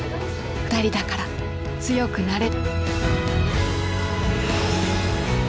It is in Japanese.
２人だから強くなれる。